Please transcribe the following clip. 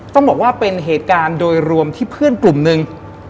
ต้องบอกว่าเป็นเหตุการณ์โดยรวมที่เพื่อนกลุ่มหนึ่ง